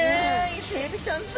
イセエビちゃんす